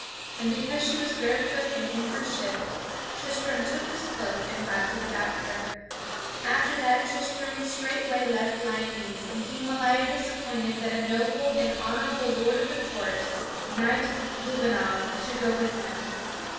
And because she was barefoot and in her shift, Tristram took his cloak and wrapped it about her. [Sidenote: Tristram departs from Lyonesse] After that, Tristram straightway left Lyonesse, and King Meliadus appointed that a noble and honorable lord of the court, hight Gouvernail, should go with him.